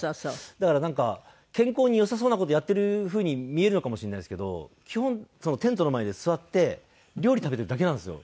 だからなんか健康に良さそうな事やってる風に見えるのかもしれないですけど基本テントの前で座って料理食べてるだけなんですよ。